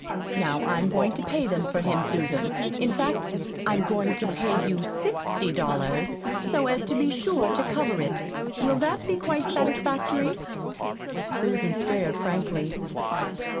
Now I'm going to pay them for him, Susan. In fact, I'm going to pay you sixty dollars, so as to be sure to cover it. Will that be quite satisfactory?" Susan stared frankly.